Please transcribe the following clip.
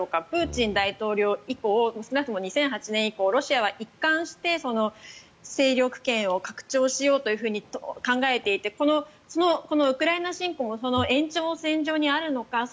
プーチン大統領以降少なくとも２００８年以降ロシアは一貫して勢力圏を拡張しようと考えていてそのウクライナ侵攻もその延長線上にあるのか。